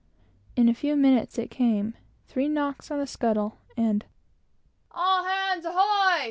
In a few minutes it came three knocks on the scuttle, and "All hands ahoy!